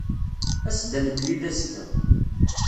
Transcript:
As-d ad nemlil azekka.